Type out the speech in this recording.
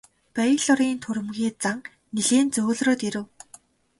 Бэйлорын түрэмгий зан нилээн зөөлрөөд ирэв.